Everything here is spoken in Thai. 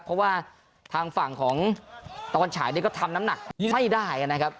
เพราะว่าทางฝั่งของตะวันฉายเนี่ยก็ทำน้ำหนักไม่ได้นะครับ